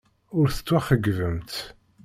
Ur tettwaxeyybemt.